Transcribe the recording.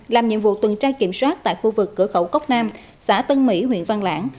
làm nhiệm vụ tuần tra kiểm soát tại khu vực cửa khẩu cốc nam xã tân mỹ huyện văn lãng